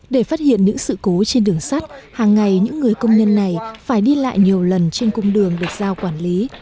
để phát hiện những sự cố trên đường sắt hàng ngày những người công nhân này phải đi lại nhiều lần trên cung đường được giao quản lý